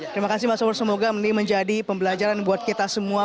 terima kasih mas umar semoga ini menjadi pembelajaran buat kita semua